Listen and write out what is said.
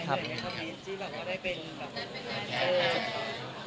แต่สมัยนี้ไม่ใช่อย่างนั้น